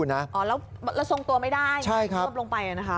อ๋อแล้วทรงตัวไม่ได้ควบลงไปเลยนะคะ